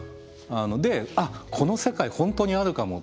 で「あっこの世界本当にあるかも」